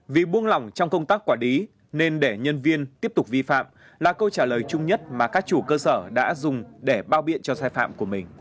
vì buông lỏng trong công tác quản lý nên để nhân viên tiếp tục vi phạm là câu trả lời chung nhất mà các chủ cơ sở đã dùng để bao biện cho sai phạm của mình